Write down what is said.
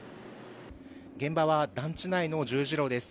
現場は団地内の十字路です。